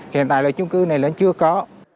hiện tại là chung cư này nó chưa có